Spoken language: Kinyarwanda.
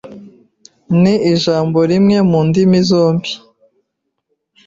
Ni ijambo rimwe mu ndimi zombi.